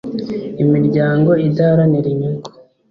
Imiryango idaharanira inyungu.